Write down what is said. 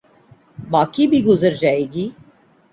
باقی بھی گزر جائے گی۔